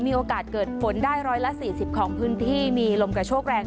มีโอกาสเกิดฝนได้ร้อยละสี่สิบของพื้นที่มีลมกระโชคแรง